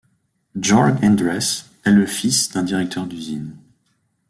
Georg Endress est le fils d'un directeur d'usine.